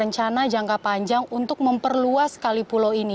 rencana jangka panjang untuk memperluas kali pulau ini